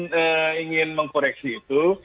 saya ingin mengkoreksi itu